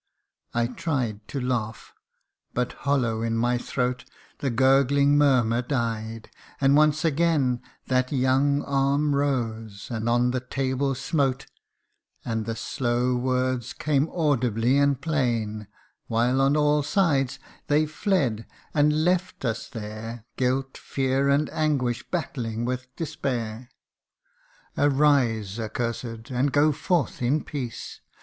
I tried to laugh, but hollow in my throat The gurgling murmur died ; and once again That young arm rose, and on the table smote, And the slow words came audibly and plain : While on all sides they fled and left us there, Guilt, fear, and anguish, battling with despair. ' Arise, accursed ! and go forth in peace